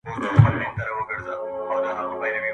• نوي نوي غزل راوړه د ژوندون له رنګینیو,